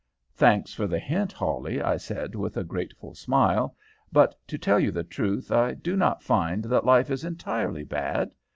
"'Thanks for the hint, Hawley,' I said, with a grateful smile; 'but, to tell you the truth, I do not find that life is entirely bad.